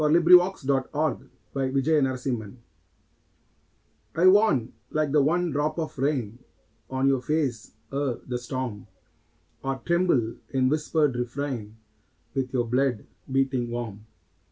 THE VOICE OF THE VOID I warn, like the one drop of rain On your face, ere the storm; Or tremble in whispered refrain With your blood, beating warm.